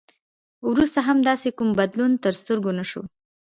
وروسته هم داسې کوم بدلون تر سترګو نه شو.